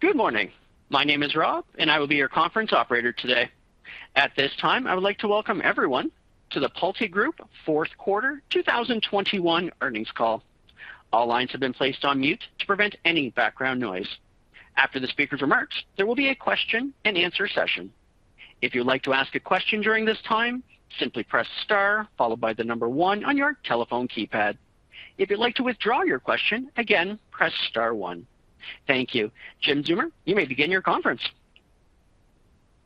Good morning. My name is Rob, and I will be your conference operator today. At this time, I would like to welcome everyone to the PulteGroup Fourth Quarter 2021 earnings call. All lines have been placed on mute to prevent any background noise. After the speaker's remarks, there will be a question-and-answer session. If you'd like to ask a question during this time, simply press star followed by the number one on your telephone keypad. If you'd like to withdraw your question, again, press star one. Thank you. Jim Zeumer, you may begin your conference.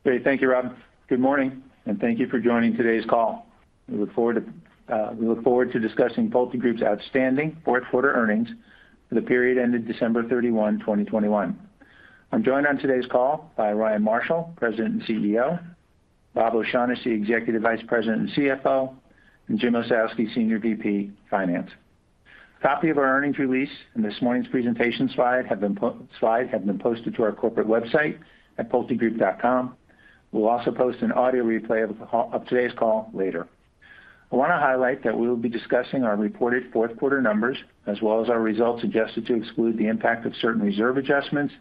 Great. Thank you, Rob. Good morning, and thank you for joining today's call. We look forward to discussing PulteGroup's outstanding fourth quarter earnings for the period ended December 31, 2021. I'm joined on today's call by Ryan Marshall, President and CEO, Bob O'Shaughnessy, Executive Vice President and CFO, and Jim Ossowski, Senior VP Finance. A copy of our earnings release and this morning's presentation slides have been posted to our corporate website at pultegroup.com. We'll also post an audio replay of today's call later. I wanna highlight that we will be discussing our reported fourth quarter numbers as well as our results adjusted to exclude the impact of certain reserve adjustments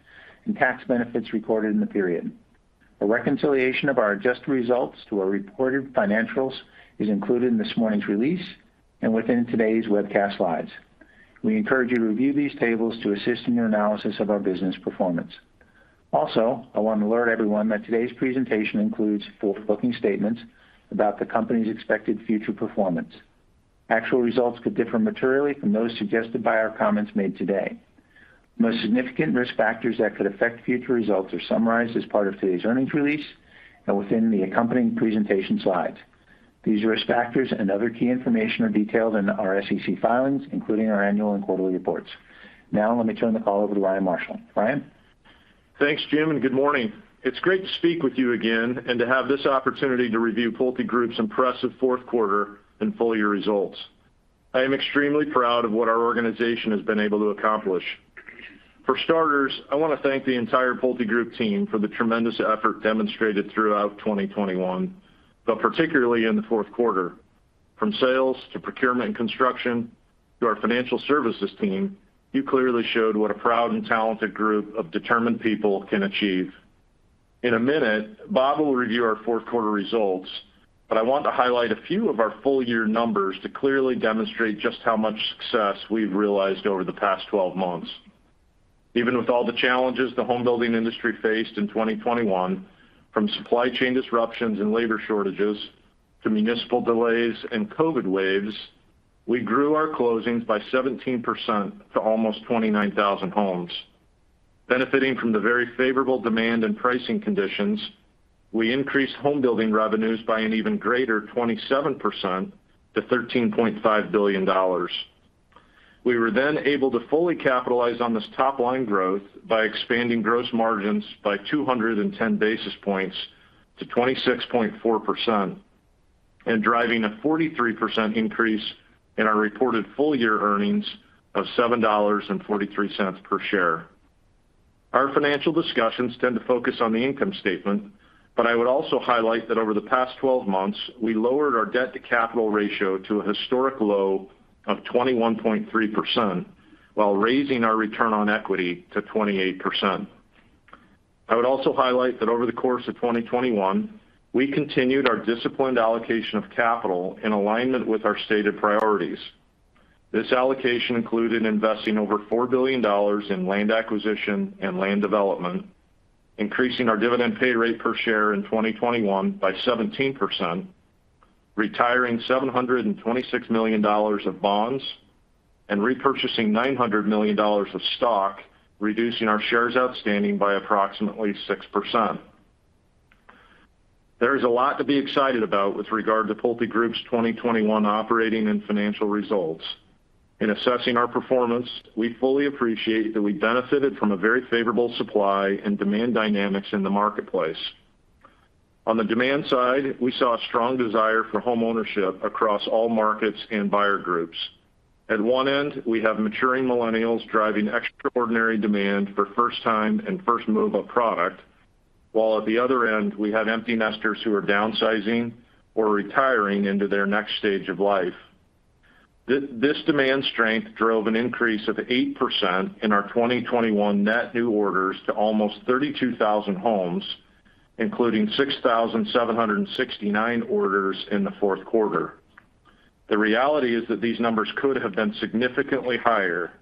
and tax benefits recorded in the period. A reconciliation of our adjusted results to our reported financials is included in this morning's release and within today's webcast slides. We encourage you to review these tables to assist in your analysis of our business performance. Also, I want to alert everyone that today's presentation includes forward-looking statements about the company's expected future performance. Actual results could differ materially from those suggested by our comments made today. The most significant risk factors that could affect future results are summarized as part of today's earnings release and within the accompanying presentation slides. These risk factors and other key information are detailed in our SEC filings, including our annual and quarterly reports. Now, let me turn the call over to Ryan Marshall. Ryan. Thanks, Jim, and good morning. It's great to speak with you again and to have this opportunity to review PulteGroup's impressive fourth quarter and full year results. I am extremely proud of what our organization has been able to accomplish. For starters, I wanna thank the entire PulteGroup team for the tremendous effort demonstrated throughout 2021, but particularly in the fourth quarter. From sales to procurement and construction to our financial services team, you clearly showed what a proud and talented group of determined people can achieve. In a minute, Bob will review our fourth quarter results, but I want to highlight a few of our full year numbers to clearly demonstrate just how much success we've realized over the past 12 months. Even with all the challenges the home building industry faced in 2021, from supply chain disruptions and labor shortages to municipal delays and COVID waves, we grew our closings by 17% to almost 29,000 homes. Benefiting from the very favorable demand and pricing conditions, we increased home building revenues by an even greater 27% to $13.5 billion. We were then able to fully capitalize on this top-line growth by expanding gross margins by 210 basis points to 26.4% and driving a 43% increase in our reported full year earnings of $7.43 per share. Our financial discussions tend to focus on the income statement, but I would also highlight that over the past 12 months, we lowered our debt-to-capital ratio to a historic low of 21.3% while raising our return on equity to 28%. I would also highlight that over the course of 2021, we continued our disciplined allocation of capital in alignment with our stated priorities. This allocation included investing over $4 billion in land acquisition and land development, increasing our dividend pay rate per share in 2021 by 17%, retiring $726 million of bonds, and repurchasing $900 million of stock, reducing our shares outstanding by approximately 6%. There is a lot to be excited about with regard to PulteGroup's 2021 operating and financial results. In assessing our performance, we fully appreciate that we benefited from a very favorable supply and demand dynamics in the marketplace. On the demand side, we saw a strong desire for homeownership across all markets and buyer groups. At one end, we have maturing millennials driving extraordinary demand for first time and first move-up product, while at the other end, we have empty nesters who are downsizing or retiring into their next stage of life. This demand strength drove an increase of 8% in our 2021 net new orders to almost 32,000 homes, including 6,769 orders in the fourth quarter. The reality is that these numbers could have been significantly higher,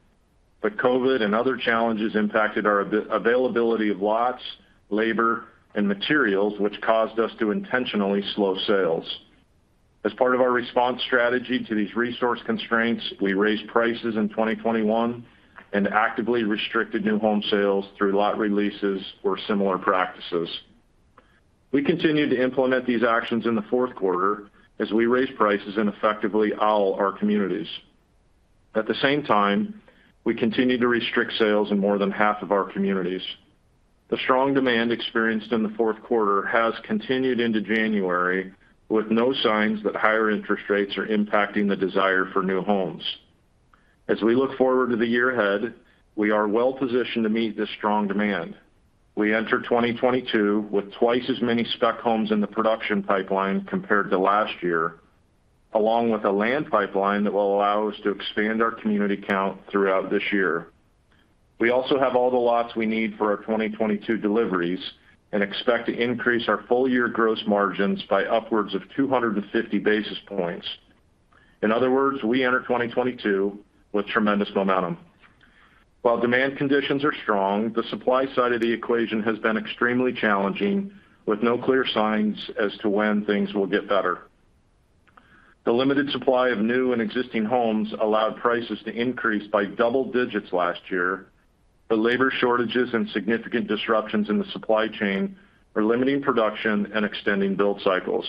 but COVID and other challenges impacted our availability of lots, labor, and materials, which caused us to intentionally slow sales. As part of our response strategy to these resource constraints, we raised prices in 2021 and actively restricted new home sales through lot releases or similar practices. We continued to implement these actions in the fourth quarter as we raised prices in effectively all our communities. At the same time, we continued to restrict sales in more than half of our communities. The strong demand experienced in the fourth quarter has continued into January with no signs that higher interest rates are impacting the desire for new homes. As we look forward to the year ahead, we are well-positioned to meet this strong demand. We enter 2022 with twice as many spec homes in the production pipeline compared to last year. Along with a land pipeline that will allow us to expand our community count throughout this year. We also have all the lots we need for our 2022 deliveries and expect to increase our full year gross margins by upwards of 250 basis points. In other words, we enter 2022 with tremendous momentum. While demand conditions are strong, the supply side of the equation has been extremely challenging, with no clear signs as to when things will get better. The limited supply of new and existing homes allowed prices to increase by double digits last year, but labor shortages and significant disruptions in the supply chain are limiting production and extending build cycles.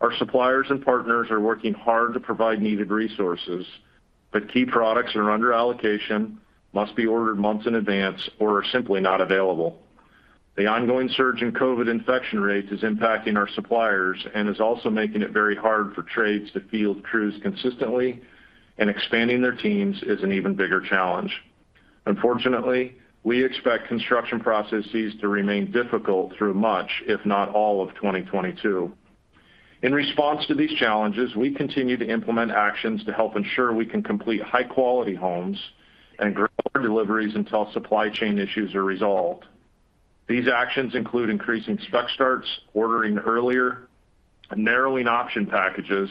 Our suppliers and partners are working hard to provide needed resources, but key products are under allocation, must be ordered months in advance or are simply not available. The ongoing surge in COVID infection rates is impacting our suppliers and is also making it very hard for trades to field crews consistently and expanding their teams is an even bigger challenge. Unfortunately, we expect construction processes to remain difficult through much, if not all, of 2022. In response to these challenges, we continue to implement actions to help ensure we can complete high quality homes and grow our deliveries until supply chain issues are resolved. These actions include increasing spec starts, ordering earlier, narrowing option packages,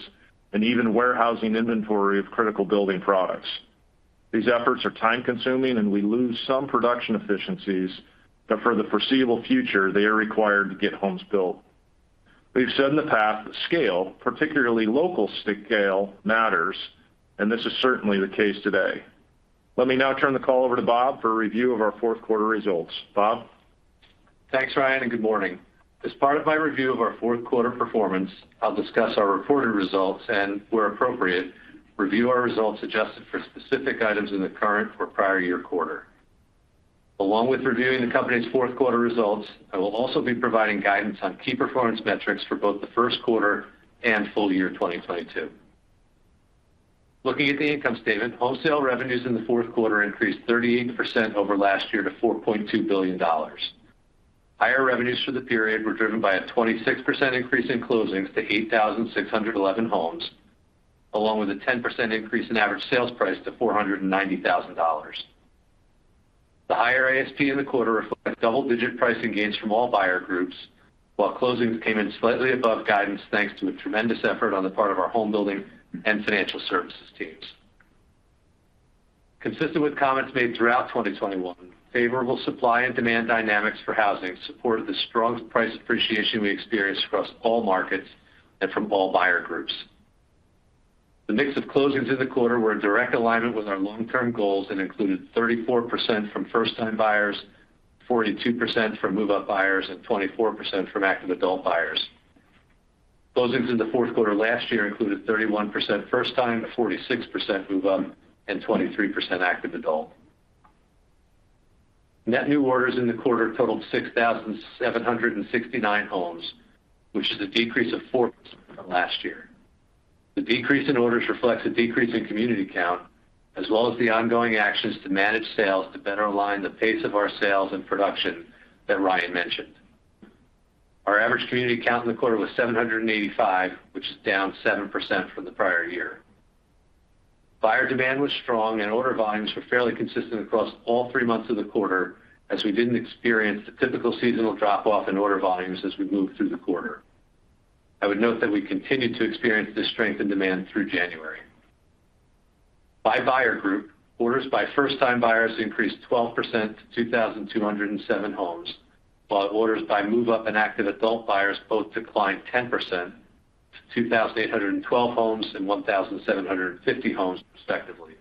and even warehousing inventory of critical building products. These efforts are time consuming and we lose some production efficiencies, but for the foreseeable future, they are required to get homes built. We've said in the past that scale, particularly local scale, matters, and this is certainly the case today. Let me now turn the call over to Bob for a review of our Q4 results. Bob? Thanks, Ryan, and good morning. As part of my review of our Q4 performance, I'll discuss our reported results and where appropriate, review our results adjusted for specific items in the current or prior year quarter. Along with reviewing the company's fourth quarter results, I will also be providing guidance on key performance metrics for both the first quarter and full year 2022. Looking at the income statement, home sale revenues in the fourth quarter increased 38% over last year to $4.2 billion. Higher revenues for the period were driven by a 26% increase in closings to 8,611 homes, along with a 10% increase in average sales price to $490,000. The higher ASP in the quarter reflects double-digit pricing gains from all buyer groups, while closings came in slightly above guidance thanks to a tremendous effort on the part of our home building and financial services teams. Consistent with comments made throughout 2021, favorable supply and demand dynamics for housing supported the strong price appreciation we experienced across all markets and from all buyer groups. The mix of closings in the quarter were in direct alignment with our long-term goals and included 34% from first-time buyers, 42% from move-up buyers, and 24% from active adult buyers. Closings in the fourth quarter last year included 31% first-time, 46% move-up, and 23% active adult. Net new orders in the quarter totaled 6,769 homes, which is a decrease of 4% from last year. The decrease in orders reflects a decrease in community count, as well as the ongoing actions to manage sales to better align the pace of our sales and production that Ryan mentioned. Our average community count in the quarter was 785, which is down 7% from the prior year. Buyer demand was strong and order volumes were fairly consistent across all three months of the quarter, as we didn't experience the typical seasonal drop-off in order volumes as we moved through the quarter. I would note that we continued to experience this strength in demand through January. By buyer group, orders by first-time buyers increased 12% to 2,207 homes, while orders by move-up and active adult buyers both declined 10% to 2,812 homes and 1,750 homes, respectively.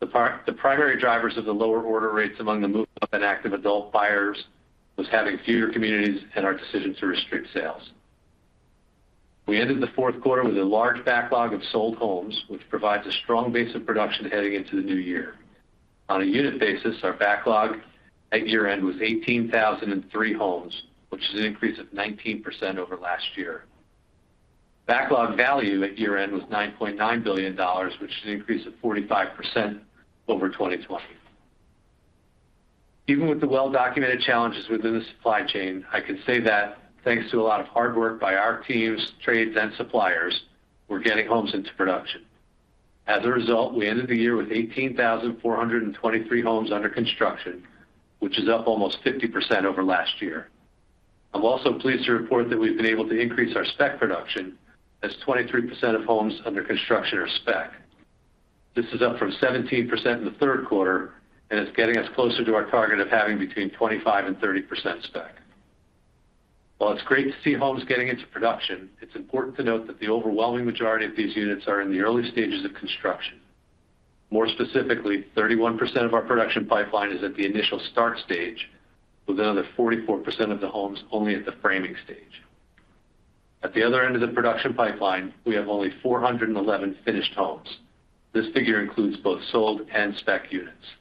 The primary drivers of the lower order rates among the move-up and active adult buyers was having fewer communities and our decision to restrict sales. We ended the fourth quarter with a large backlog of sold homes, which provides a strong base of production heading into the new year. On a unit basis, our backlog at year-end was 18,003 homes, which is an increase of 19% over last year. Backlog value at year-end was $9.9 billion, which is an increase of 45% over 2020. Even with the well-documented challenges within the supply chain, I can say that thanks to a lot of hard work by our teams, trades and suppliers, we're getting homes into production. As a result, we ended the year with 18,423 homes under construction, which is up almost 50% over last year. I'm also pleased to report that we've been able to increase our spec production as 23% of homes under construction are spec. This is up from 17% in the third quarter, and it's getting us closer to our target of having between 25% and 30% spec. While it's great to see homes getting into production, it's important to note that the overwhelming majority of these units are in the early stages of construction. More specifically, 31% of our production pipeline is at the initial start stage, with another 44% of the homes only at the framing stage. At the other end of the production pipeline, we have only 411 finished homes. This figure includes both sold and spec units.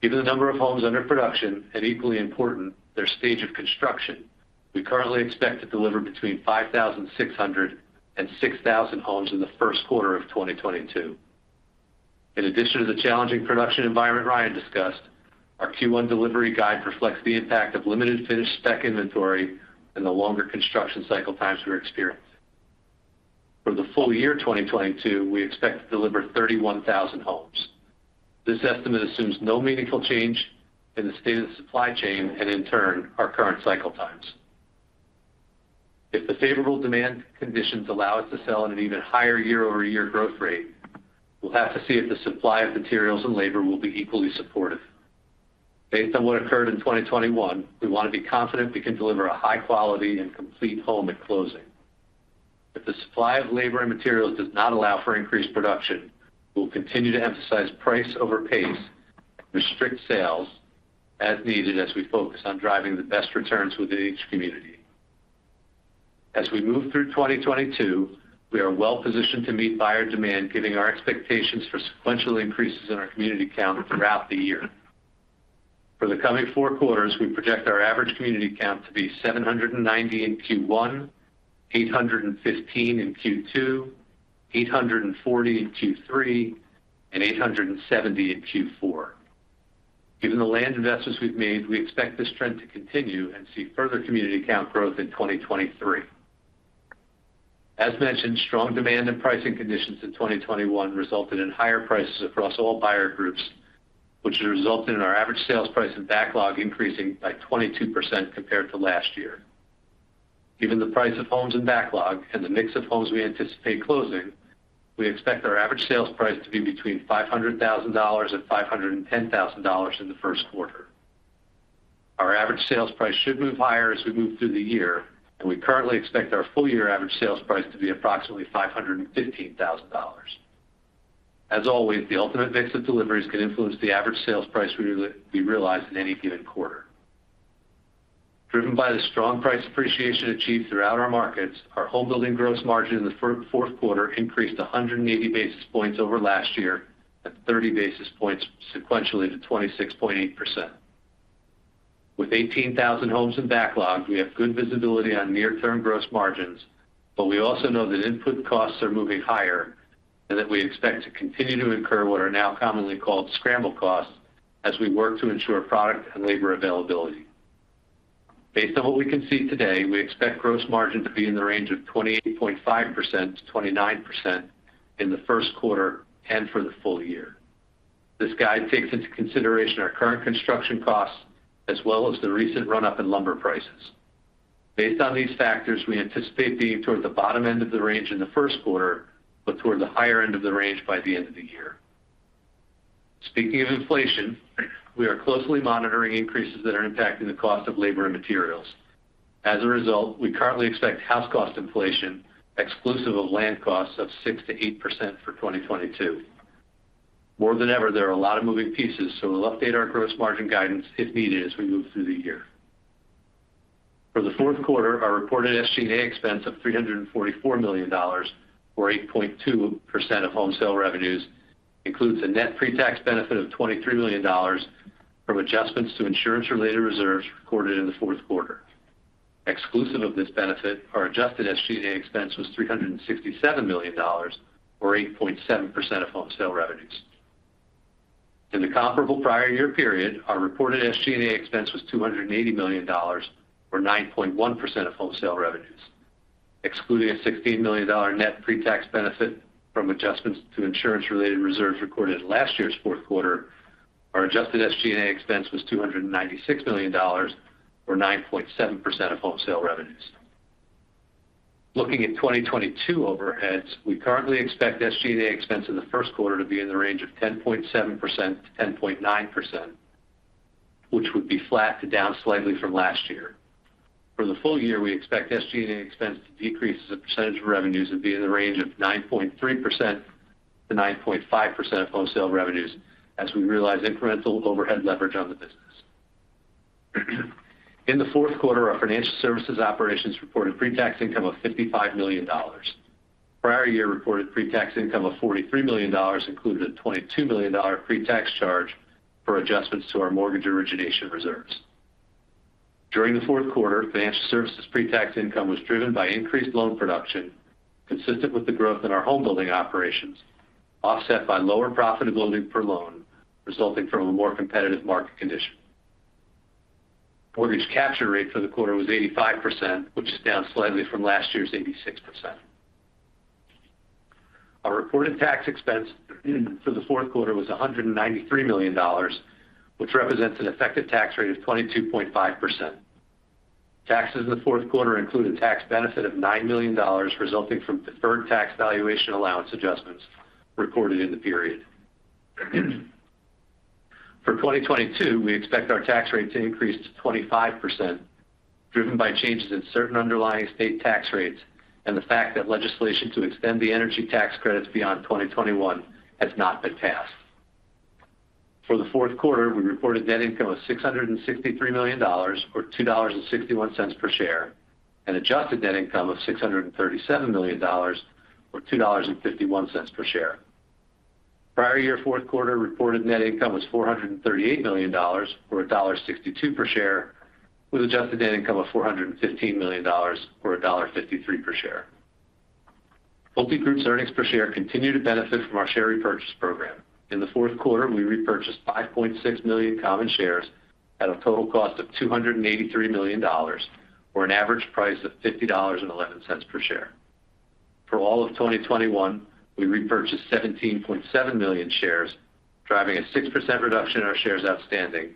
Given the number of homes under production, and equally important, their stage of construction, we currently expect to deliver between 5,600 and 6,000 homes in the first quarter of 2022. In addition to the challenging production environment Ryan discussed, our Q1 delivery guide reflects the impact of limited finished spec inventory and the longer construction cycle times we're experiencing. For the full year 2022, we expect to deliver 31,000 homes. This estimate assumes no meaningful change in the state of the supply chain and in turn, our current cycle times. If the favorable demand conditions allow us to sell at an even higher year-over-year growth rate, we'll have to see if the supply of materials and labor will be equally supportive. Based on what occurred in 2021, we want to be confident we can deliver a high quality and complete home at closing. If the supply of labor and materials does not allow for increased production, we'll continue to emphasize price over pace, restrict sales as needed as we focus on driving the best returns within each community. As we move through 2022, we are well positioned to meet buyer demand given our expectations for sequential increases in our community count throughout the year. For the coming four quarters, we project our average community count to be 790 in Q1, 815 in Q2, 840 in Q3, and 870 in Q4. Given the land investments we've made, we expect this trend to continue and see further community count growth in 2023. As mentioned, strong demand and pricing conditions in 2021 resulted in higher prices across all buyer groups, which has resulted in our average sales price and backlog increasing by 22% compared to last year. Given the price of homes in backlog and the mix of homes we anticipate closing, we expect our average sales price to be between $500,000 and $510,000 in the first quarter. Our average sales price should move higher as we move through the year, and we currently expect our full year average sales price to be approximately $515,000. As always, the ultimate mix of deliveries can influence the average sales price we realize in any given quarter. Driven by the strong price appreciation achieved throughout our markets, our homebuilding gross margin in the fourth quarter increased 180 basis points over last year at 30 basis points sequentially to 26.8%. With 18,000 homes in backlog, we have good visibility on near-term gross margins, but we also know that input costs are moving higher and that we expect to continue to incur what are now commonly called scramble costs as we work to ensure product and labor availability. Based on what we can see today, we expect gross margin to be in the range of 28.5%-29% in the first quarter and for the full year. This guide takes into consideration our current construction costs as well as the recent run-up in lumber prices. Based on these factors, we anticipate being toward the bottom end of the range in the first quarter, but toward the higher end of the range by the end of the year. Speaking of inflation, we are closely monitoring increases that are impacting the cost of labor and materials. As a result, we currently expect house cost inflation exclusive of land costs of 6%-8% for 2022. More than ever, there are a lot of moving pieces, so we'll update our gross margin guidance if needed as we move through the year. For the fourth quarter, our reported SG&A expense of $344 million or 8.2% of home sale revenues includes a net pre-tax benefit of $23 million from adjustments to insurance-related reserves recorded in the fourth quarter. Exclusive of this benefit, our adjusted SG&A expense was $367 million or 8.7% of home sale revenues. In the comparable prior year period, our reported SG&A expense was $280 million or 9.1% of home sale revenues. Excluding a $16 million net pre-tax benefit from adjustments to insurance-related reserves recorded in last year's Q4, our adjusted SG&A expense was $296 million or 9.7% of home sale revenues. Looking at 2022 overheads, we currently expect SG&A expense in the first quarter to be in the range of 10.7%-10.9%, which would be flat to down slightly from last year. For the full year, we expect SG&A expense to decrease as a percentage of revenues and be in the range of 9.3%-9.5% of home sale revenues as we realize incremental overhead leverage on the business. In the fourth quarter, our financial services operations reported pre-tax income of $55 million. Prior year reported pre-tax income of $43 million included a $22 million pre-tax charge for adjustments to our mortgage origination reserves. During the fourth quarter, financial services pre-tax income was driven by increased loan production consistent with the growth in our homebuilding operations, offset by lower profitability per loan resulting from a more competitive market condition. Mortgage capture rate for the quarter was 85%, which is down slightly from last year's 86%. Our reported tax expense for the fourth quarter was $193 million, which represents an effective tax rate of 22.5%. Taxes in the fourth quarter include a tax benefit of $9 million resulting from deferred tax valuation allowance adjustments recorded in the period. For 2022, we expect our tax rate to increase to 25%, driven by changes in certain underlying state tax rates and the fact that legislation to extend the energy tax credits beyond 2021 has not been passed. For the fourth quarter, we reported net income of $663 million or $2.61 per share, and adjusted net income of $637 million or $2.51 per share. Prior year fourth quarter reported net income was $438 million, or $1.62 per share. With adjusted net income of $415 million or $1.53 per share. PulteGroup's earnings per share continue to benefit from our share repurchase program. In the fourth quarter, we repurchased 5.6 million common shares at a total cost of $283 million, or an average price of $50.11 per share. For all of 2021, we repurchased 17.7 million shares, driving a 6% reduction in our shares outstanding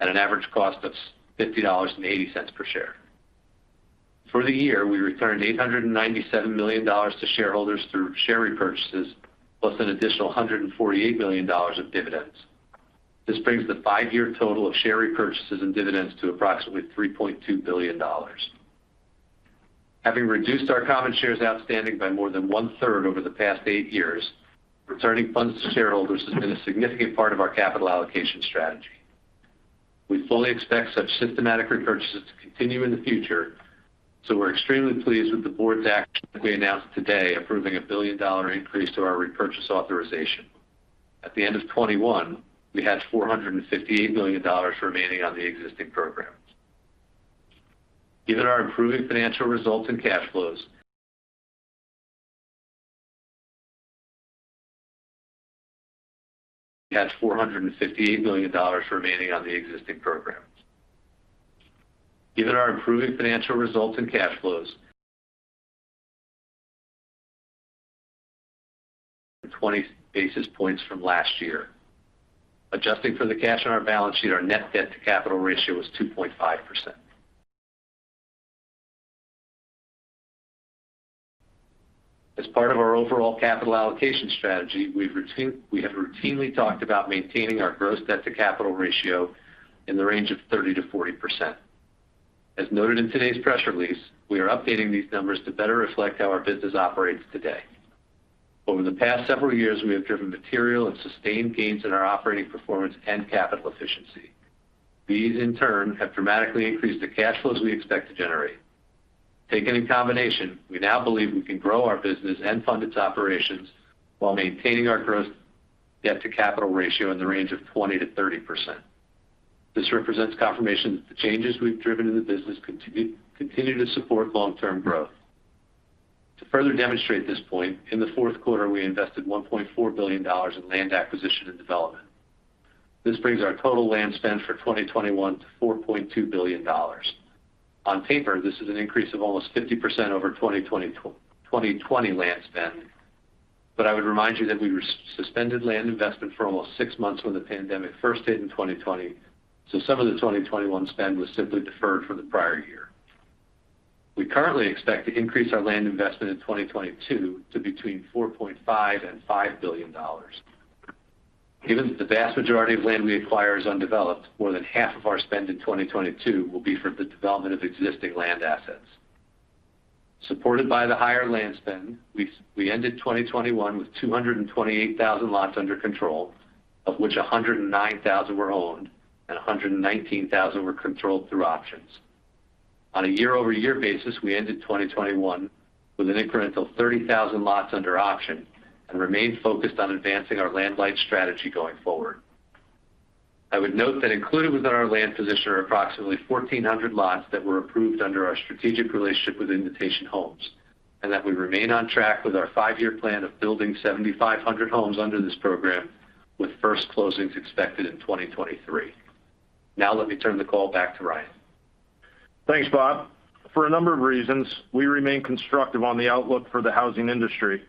at an average cost of $50.80 per share. For the year, we returned $897 million to shareholders through share repurchases, plus an additional $148 million of dividends. This brings the five-year total of share repurchases and dividends to approximately $3.2 billion. Having reduced our common shares outstanding by more than one-third over the past eight years, returning funds to shareholders has been a significant part of our capital allocation strategy. We fully expect such systematic repurchases to continue in the future, so we're extremely pleased with the board's action that we announced today, approving a billion-dollar increase to our repurchase authorization. At the end of 2021, we had $458 million remaining on the existing program. Given our improving financial results and cash flows, 20 basis points from last year. Adjusting for the cash on our balance sheet, our net debt to capital ratio was 2.5%. As part of our overall capital allocation strategy, we have routinely talked about maintaining our gross debt to capital ratio in the range of 30%-40%. As noted in today's press release, we are updating these numbers to better reflect how our business operates today. Over the past several years, we have driven material and sustained gains in our operating performance and capital efficiency. These, in turn, have dramatically increased the cash flows we expect to generate. Taken in combination, we now believe we can grow our business and fund its operations while maintaining our gross debt to capital ratio in the range of 20%-30%. This represents confirmation that the changes we've driven in the business continue to support long-term growth. To further demonstrate this point, in the fourth quarter, we invested $1.4 billion in land acquisition and development. This brings our total land spend for 2021 to $4.2 billion. On paper, this is an increase of almost 50% over 2020 land spend. I would remind you that we suspended land investment for almost 6 months when the pandemic first hit in 2020, so some of the 2021 spend was simply deferred from the prior year. We currently expect to increase our land investment in 2022 to between $4.5 billion and $5 billion. Given that the vast majority of land we acquire is undeveloped, more than half of our spend in 2022 will be for the development of existing land assets. Supported by the higher land spend, we ended 2021 with 228,000 lots under control, of which 109,000 were owned, and 119,000 were controlled through options. On a year-over-year basis, we ended 2021 with an incremental 30,000 lots under option and remain focused on advancing our land light strategy going forward. I would note that included within our land position are approximately 1,400 lots that were approved under our strategic relationship with Invitation Homes, and that we remain on track with our five-year plan of building 7,500 homes under this program, with first closings expected in 2023. Now let me turn the call back to Ryan. Thanks, Bob. For a number of reasons, we remain constructive on the outlook for the housing industry.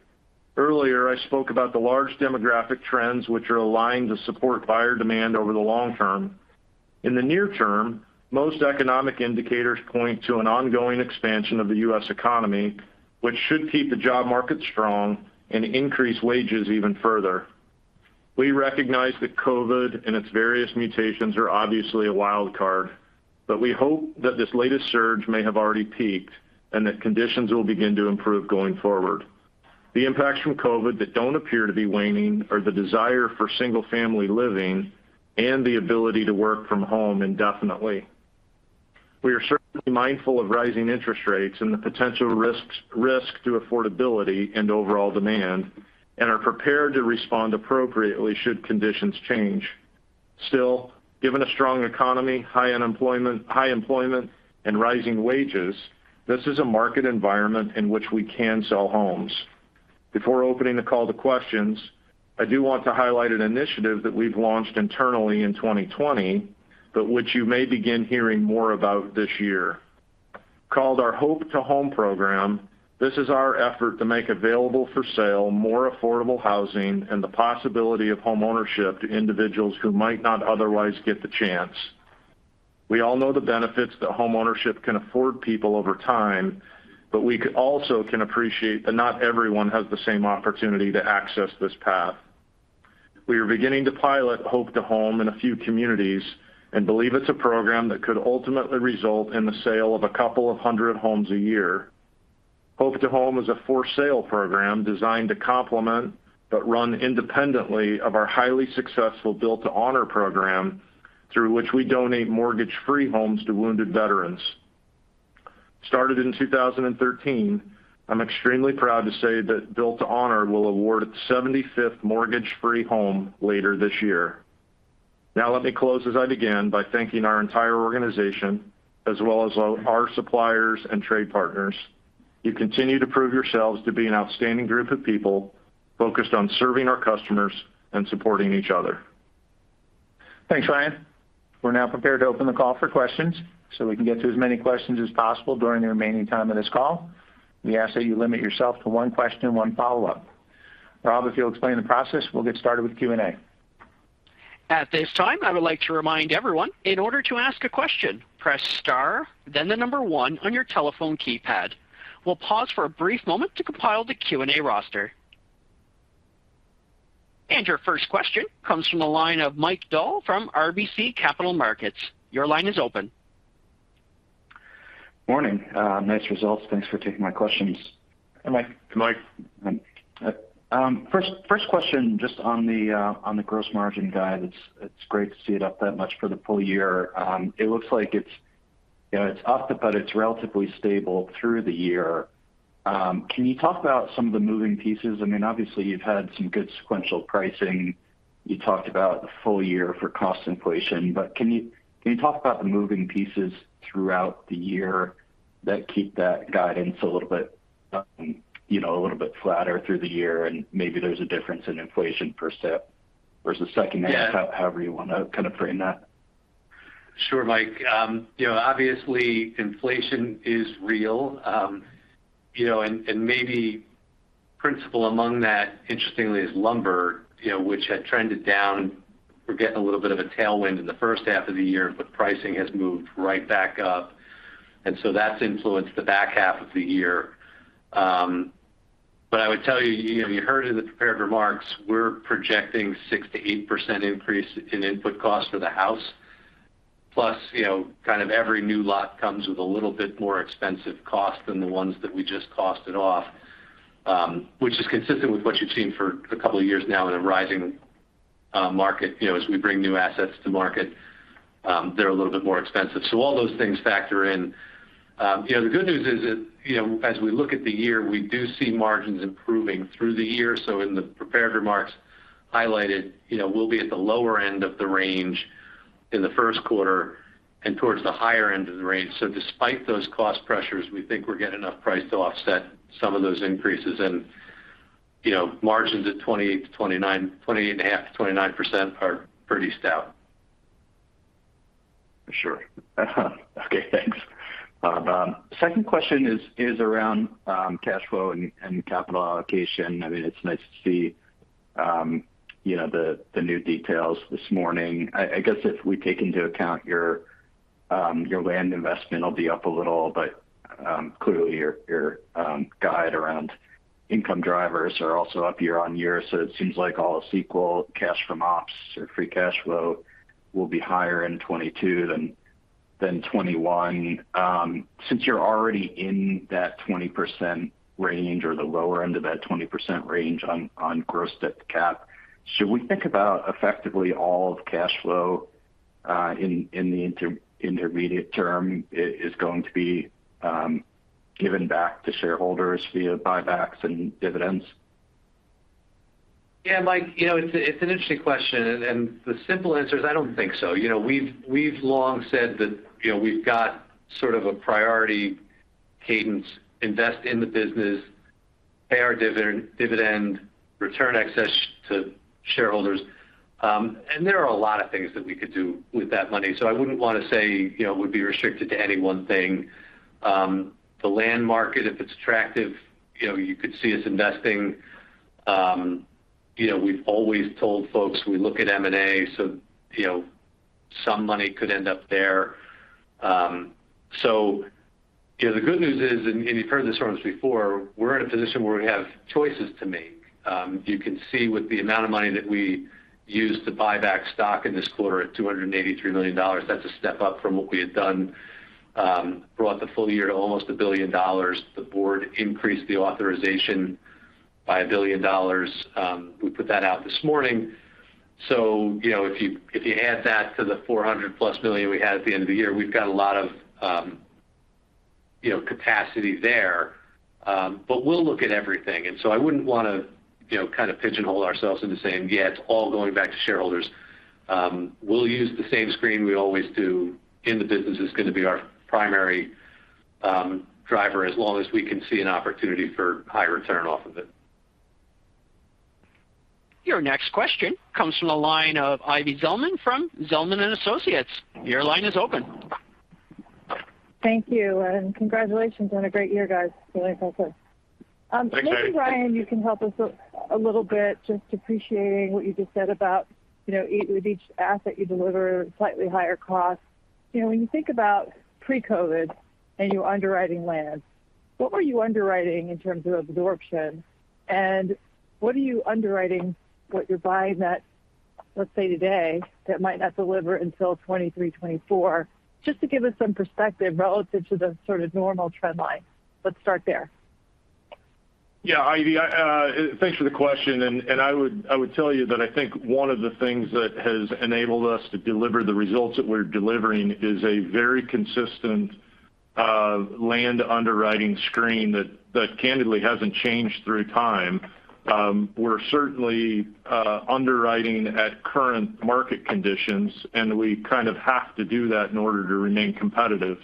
Earlier, I spoke about the large demographic trends which are aligned to support buyer demand over the long term. In the near term, most economic indicators point to an ongoing expansion of the U.S. economy, which should keep the job market strong and increase wages even further. We recognize that COVID and its various mutations are obviously a wild card, but we hope that this latest surge may have already peaked and that conditions will begin to improve going forward. The impacts from COVID that don't appear to be waning are the desire for single-family living and the ability to work from home indefinitely. We are certainly mindful of rising interest rates and the potential risks to affordability and overall demand, and are prepared to respond appropriately should conditions change. Still, given a strong economy, high employment, and rising wages, this is a market environment in which we can sell homes. Before opening the call to questions, I do want to highlight an initiative that we've launched internally in 2020, but which you may begin hearing more about this year. Called our Hope to Home program, this is our effort to make available for sale more affordable housing and the possibility of homeownership to individuals who might not otherwise get the chance. We all know the benefits that homeownership can afford people over time, but we can appreciate that not everyone has the same opportunity to access this path. We are beginning to pilot Hope to Home in a few communities and believe it's a program that could ultimately result in the sale of 200 homes a year. Hope to Home is a for-sale program designed to complement but run independently of our highly successful Built to Honor program through which we donate mortgage-free homes to wounded veterans. Started in 2013, I'm extremely proud to say that Built to Honor will award its 75th mortgage-free home later this year. Now let me close as I began by thanking our entire organization as well as our suppliers and trade partners. You continue to prove yourselves to be an outstanding group of people focused on serving our customers and supporting each other. Thanks, Ryan. We're now prepared to open the call for questions so we can get to as many questions as possible during the remaining time of this call. We ask that you limit yourself to one question, one follow-up. Rob, if you'll explain the process, we'll get started with Q&A. At this time, I would like to remind everyone, in order to ask a question, press Star, then 1 on your telephone keypad. We'll pause for a brief moment to compile the Q&A roster. Your first question comes from the line of Mike Dahl from RBC Capital Markets. Your line is open. Morning. Nice results. Thanks for taking my questions. Hi, Mike. Hi, Mike. First question just on the gross margin guide. It's great to see it up that much for the full year. It looks like it's, you know, up, but it's relatively stable through the year. Can you talk about some of the moving pieces? I mean, obviously you've had some good sequential pricing. You talked about the full year for cost inflation, but can you talk about the moving pieces throughout the year that keep that guidance a little bit, you know, a little bit flatter through the year, and maybe there's a difference in inflation per se versus the second half, however you wanna kind of frame that? Sure, Mike. You know, obviously inflation is real. You know, and principal among that, interestingly, is lumber, you know, which had trended down. We're getting a little bit of a tailwind in the first half of the year, but pricing has moved right back up, and so that's influenced the back half of the year. But I would tell you know, you heard in the prepared remarks, we're projecting 6%-8% increase in input costs for the house. Plus, you know, kind of every new lot comes with a little bit more expensive cost than the ones that we just costed off, which is consistent with what you've seen for a couple of years now in a rising market. You know, as we bring new assets to market, they're a little bit more expensive. All those things factor in. You know, the good news is that, you know, as we look at the year, we do see margins improving through the year. In the prepared remarks highlighted, you know, we'll be at the lower end of the range in the first quarter and towards the higher end of the range. Despite those cost pressures, we think we're getting enough price to offset some of those increases. You know, margins at 28.5-29% are pretty stout. For sure. Okay, thanks. Second question is around cash flow and capital allocation. I mean, it's nice to see, you know, the new details this morning. I guess if we take into account your land investment will be up a little, but clearly your guide around income drivers are also up year on year. It seems like all sequential cash from ops or free cash flow will be higher in 2022 than 2021. Since you're already in that 20% range or the lower end of that 20% range on gross debt to cap, should we think about effectively all of cash flow in the intermediate term is going to be given back to shareholders via buybacks and dividends? Yeah, Mike, it's an interesting question, and the simple answer is I don't think so. We long said that we've got sort of a priority cadence, invest in the business, pay our dividend, return excess to shareholders. There are a lot of things that we could do with that money. I wouldn't wanna say we'd be restricted to any one thing. The land market, if it's attractive, you could see us investing. We've always told folks we look at M&A, so some money could end up there. The good news is, you've heard this from us before, we're in a position where we have choices to make. You can see with the amount of money that we used to buy back stock in this quarter at $283 million, that's a step up from what we had done throughout the full year to almost $1 billion. The board increased the authorization by $1 billion. We put that out this morning. You know, if you add that to the $400+ million we had at the end of the year, we've got a lot of, you know, capacity there. We'll look at everything, and so I wouldn't wanna, you know, kind of pigeonhole ourselves into saying, "Yeah, it's all going back to shareholders." We'll use the same screen we always do in the business is gonna be our primary driver as long as we can see an opportunity for high return off of it. Your next question comes from the line of Ivy Zelman from Zelman & Associates. Your line is open. Thank you, and congratulations on a great year, guys. Really impressive. Thanks, Ivy. Maybe, Ryan, you can help us a little bit just appreciating what you just said about, you know, with each asset you deliver slightly higher cost. You know, when you think about pre-COVID and you underwriting land, what were you underwriting in terms of absorption, and what are you underwriting you're buying that, let's say, today that might not deliver until 2023, 2024? Just to give us some perspective relative to the sort of normal trend line. Let's start there. Yeah, Ivy, I thanks for the question. I would tell you that I think one of the things that has enabled us to deliver the results that we're delivering is a very consistent land underwriting screen that candidly hasn't changed through time. We're certainly underwriting at current market conditions, and we kind of have to do that in order to remain competitive.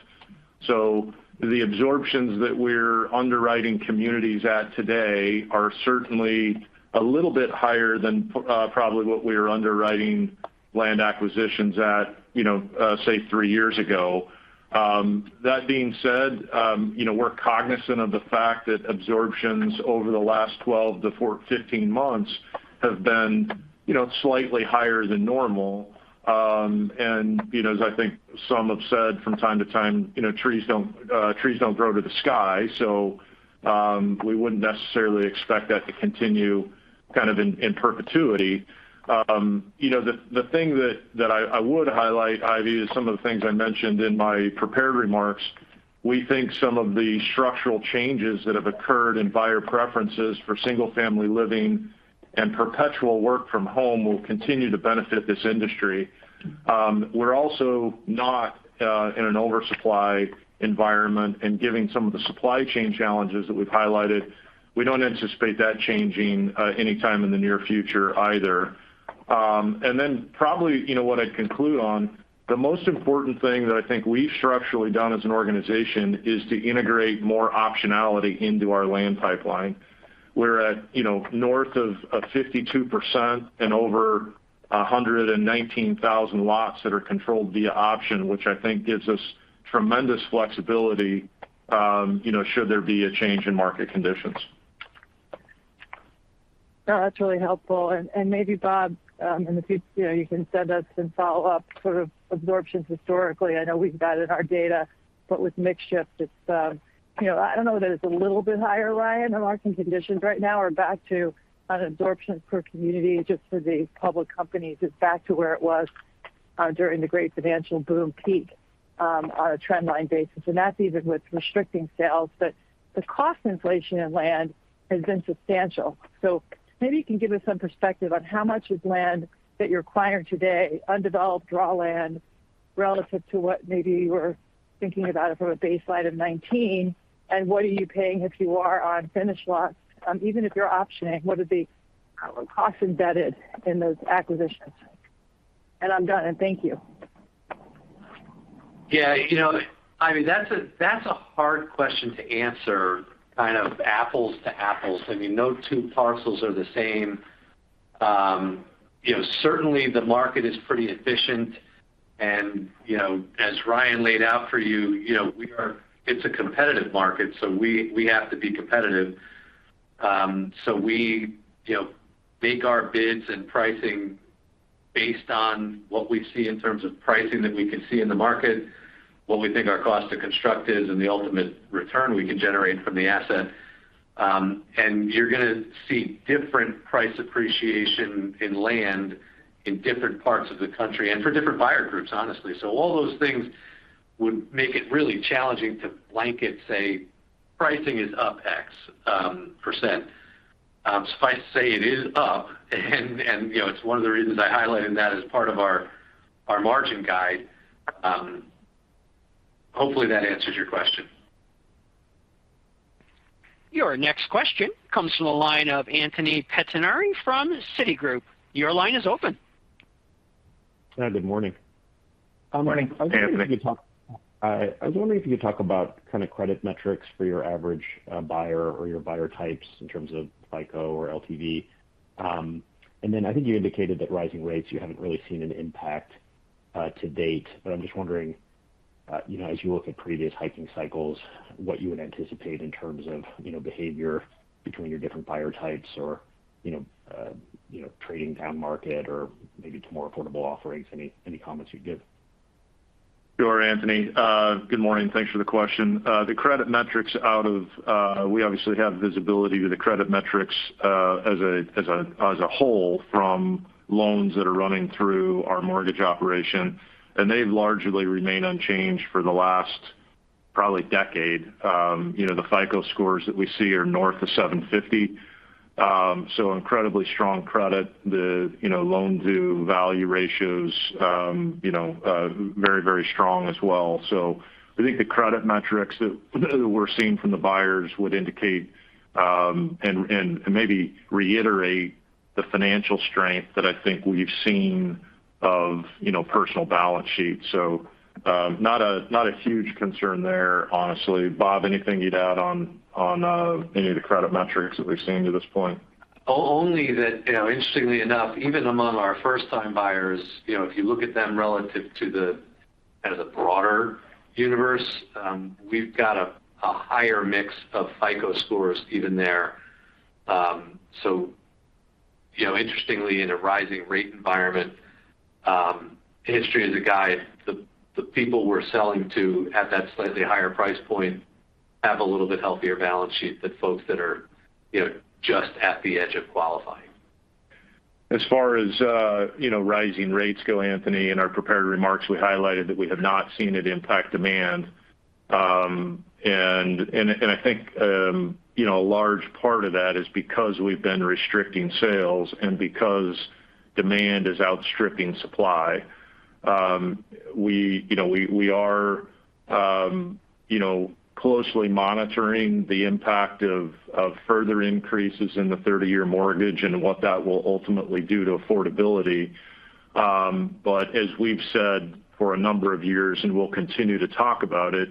The absorptions that we're underwriting communities at today are certainly a little bit higher than probably what we were underwriting land acquisitions at, you know, say, three years ago. That being said, you know, we're cognizant of the fact that absorptions over the last 12-15 months have been, you know, slightly higher than normal. You know, as I think some have said from time to time, you know, trees don't grow to the sky. We wouldn't necessarily expect that to continue kind of in perpetuity. You know, the thing that I would highlight, Ivy, is some of the things I mentioned in my prepared remarks. We think some of the structural changes that have occurred in buyer preferences for single-family living and perpetual work from home will continue to benefit this industry. We're also not in an oversupply environment, and given some of the supply chain challenges that we've highlighted, we don't anticipate that changing anytime in the near future either. probably, you know, what I'd conclude on, the most important thing that I think we've structurally done as an organization is to integrate more optionality into our land pipeline. We're at, you know, north of 52% and over 119,000 lots that are controlled via option, which I think gives us tremendous flexibility, you know, should there be a change in market conditions. No, that's really helpful. Maybe Bob, you know, you can send us some follow-up sort of absorptions historically. I know we've got it in our data, but with mix shift, it's you know I don't know that it's a little bit higher, Ryan. The market conditions right now are back to an absorption per community just for the public companies. It's back to where it was during the great financial boom peak on a trendline basis. That's even with restricting sales. The cost inflation in land has been substantial. Maybe you can give us some perspective on how much is land that you're acquiring today, undeveloped raw land, relative to what maybe you were thinking about it from a baseline of 2019, and what are you paying, if you are, on finished lots? Even if you're optioning, what are the, kind of, cost embedded in those acquisitions? I'm done. Thank you. Yeah. You know, Ivy, that's a hard question to answer kind of apples to apples. I mean, no two parcels are the same. You know, certainly the market is pretty efficient. You know, as Ryan laid out for you, it's a competitive market, so we have to be competitive. So we you know, make our bids and pricing based on what we see in terms of pricing that we can see in the market, what we think our cost to construct is, and the ultimate return we can generate from the asset. You're gonna see different price appreciation in land in different parts of the country and for different buyer groups, honestly. All those things would make it really challenging to blanket say, pricing is up X percent. Suffice to say it is up. You know, it's one of the reasons I highlighted that as part of our margin guide. Hopefully, that answers your question. Your next question comes from the line of Anthony Pettinari from Citigroup. Your line is open. Yeah. Good morning. Morning, Anthony. I was wondering if you could talk about kind of credit metrics for your average buyer or your buyer types in terms of FICO or LTV. I think you indicated that rising rates, you haven't really seen an impact to date. I'm just wondering, you know, as you look at previous hiking cycles, what you would anticipate in terms of, you know, behavior between your different buyer types or, you know, trading downmarket or maybe to more affordable offerings. Any comments you'd give? Sure, Anthony. Good morning. Thanks for the question. We obviously have visibility to the credit metrics as a whole from loans that are running through our mortgage operation, and they've largely remained unchanged for the last probably decade. You know, the FICO scores that we see are north of 750, so incredibly strong credit. You know, loan-to-value ratios very, very strong as well. I think the credit metrics that we're seeing from the buyers would indicate and maybe reiterate the financial strength that I think we've seen of, you know, personal balance sheets. Not a huge concern there, honestly. Bob, anything you'd add on any of the credit metrics that we've seen to this point? Only that, you know, interestingly enough, even among our first-time buyers, you know, if you look at them relative to, kind of, the broader universe, we've got a higher mix of FICO scores even there. So, you know, interestingly, in a rising rate environment, history is a guide. The people we're selling to at that slightly higher price point have a little bit healthier balance sheet than folks that are, you know, just at the edge of qualifying. As far as, you know, rising rates go, Anthony, in our prepared remarks, we highlighted that we have not seen it impact demand. I think, you know, a large part of that is because we've been restricting sales and because demand is outstripping supply. We are closely monitoring the impact of further increases in the 30-year mortgage and what that will ultimately do to affordability. As we've said for a number of years, and we'll continue to talk about it,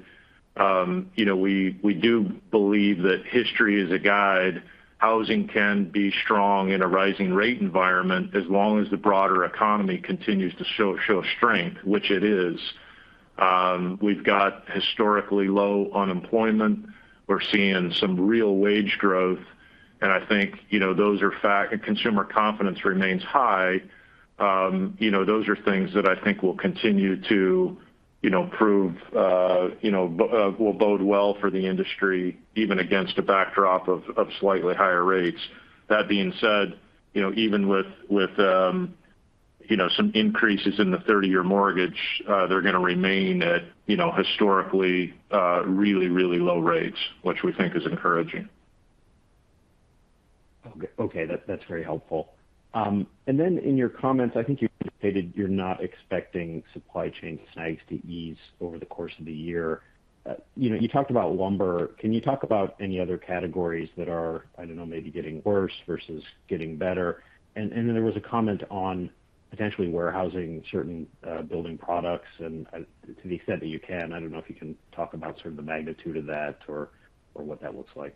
you know, we do believe that history is a guide. Housing can be strong in a rising rate environment as long as the broader economy continues to show strength, which it is. We've got historically low unemployment. We're seeing some real wage growth, and I think, you know, those are facts. Consumer confidence remains high. You know, those are things that I think will continue to, you know, bode well for the industry, even against a backdrop of slightly higher rates. That being said, you know, even with some increases in the 30-year mortgage, they're gonna remain at, you know, historically really low rates, which we think is encouraging. Okay, that's very helpful. In your comments, I think you stated you're not expecting supply chain snags to ease over the course of the year. You know, you talked about lumber. Can you talk about any other categories that are, I don't know, maybe getting worse versus getting better? There was a comment on potentially warehousing certain building products. To the extent that you can, I don't know if you can talk about sort of the magnitude of that or what that looks like.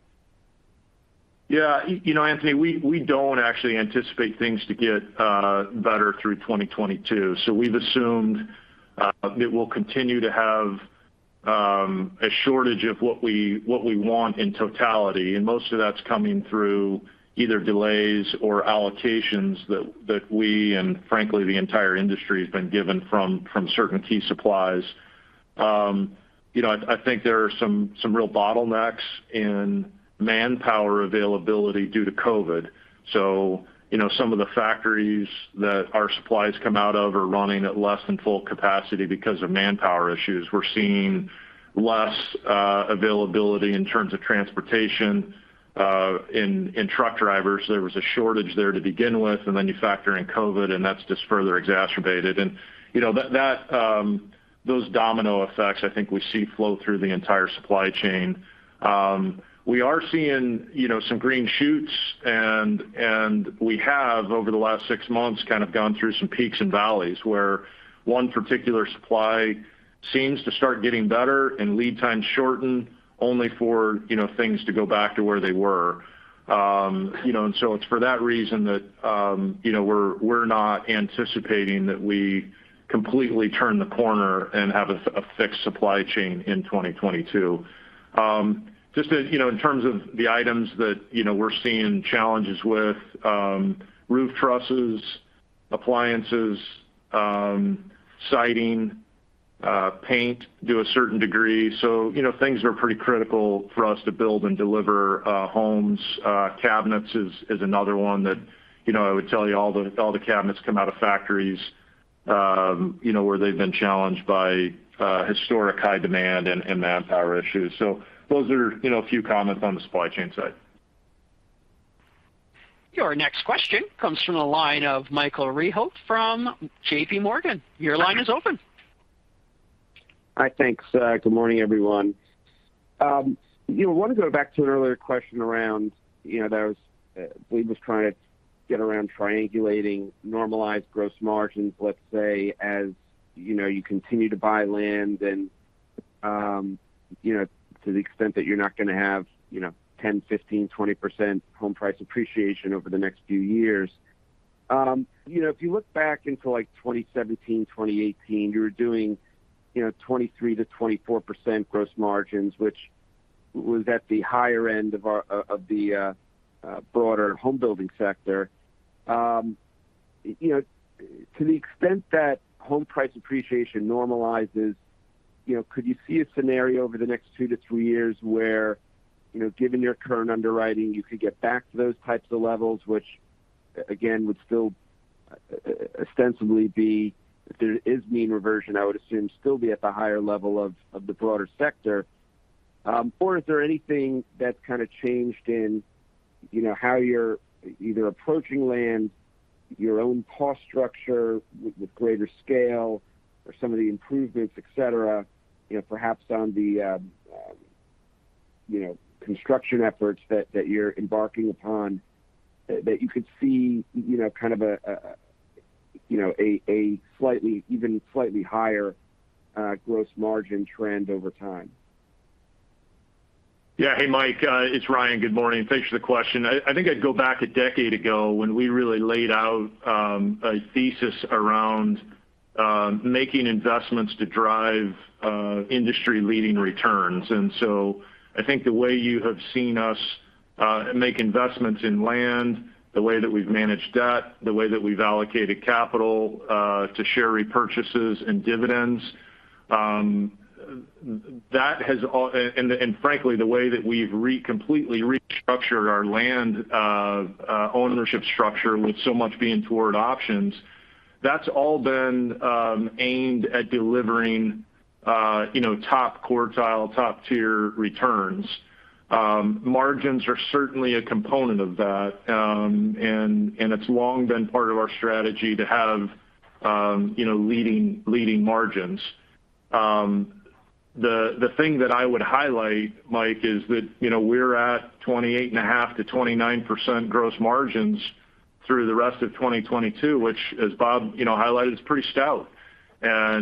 Yeah. You know, Anthony, we don't actually anticipate things to get better through 2022. We've assumed that we'll continue to have a shortage of what we want in totality, and most of that's coming through either delays or allocations that we and frankly, the entire industry has been given from certain key supplies. You know, I think there are some real bottlenecks in manpower availability due to COVID. You know, some of the factories that our supplies come out of are running at less than full capacity because of manpower issues. We're seeing less availability in terms of transportation in truck drivers. There was a shortage there to begin with, and then you factor in COVID, and that's just further exacerbated. You know, that those domino effects, I think we see flow through the entire supply chain. We are seeing, you know, some green shoots, and we have, over the last six months, kind of gone through some peaks and valleys where one particular supply seems to start getting better and lead times shorten only for, you know, things to go back to where they were. You know, it's for that reason that you know, we're not anticipating that we completely turn the corner and have a fixed supply chain in 2022. Just in, you know, in terms of the items that, you know, we're seeing challenges with, roof trusses, appliances, siding, paint to a certain degree, so, you know, things that are pretty critical for us to build and deliver homes. Cabinets is another one that, you know, I would tell you all the cabinets come out of factories, you know, where they've been challenged by historic high demand and manpower issues. So those are, you know, a few comments on the supply chain side. Your next question comes from the line of Michael Rehaut from J.P. Morgan. Your line is open. Hi. Thanks. Good morning, everyone. You know, want to go back to an earlier question around, you know, that was, Blake was trying to get around triangulating normalized gross margins, let's say, as, you know, you continue to buy land and, you know, to the extent that you're not gonna have, you know, 10, 15, 20% home price appreciation over the next few years. You know, if you look back into, like, 2017, 2018, you were doing, you know, 23%-24% gross margins, which was at the higher end of our, of the broader homebuilding sector. You know, to the extent that home price appreciation normalizes, you know, could you see a scenario over the next 2-3 years where, you know, given your current underwriting, you could get back to those types of levels, which again, would still ostensibly be, if there is mean reversion, I would assume still be at the higher level of the broader sector? Or is there anything that's kind of changed in, you know, how you're either approaching land, your own cost structure with greater scale or some of the improvements, et cetera, you know, perhaps on the construction efforts that you're embarking upon that you could see, you know, kind of a slightly even slightly higher gross margin trend over time? Yeah. Hey, Mike. It's Ryan. Good morning. Thanks for the question. I think I'd go back a decade ago when we really laid out a thesis around making investments to drive industry-leading returns. I think the way you have seen us make investments in land, the way that we've managed debt, the way that we've allocated capital to share repurchases and dividends, that has all, and frankly, the way that we've completely restructured our land ownership structure with so much being toward options, that's all been aimed at delivering you know top quartile top-tier returns. Margins are certainly a component of that. It's long been part of our strategy to have you know leading margins. The thing that I would highlight, Mike, is that, you know, we're at 28.5%-29% gross margins through the rest of 2022, which, as Bob, you know, highlighted, is pretty stout. We're